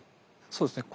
そうですね。